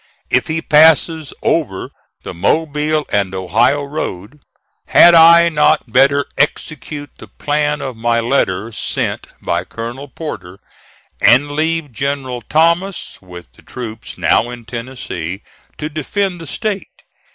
If he passes over the Mobile and Ohio road, had I not better execute the plan of my letter sent by Colonel Porter, and leave General Thomas with the troops now in Tennessee to defend the State?